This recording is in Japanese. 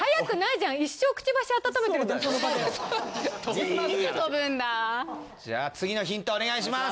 じゃあ次のヒントお願いします。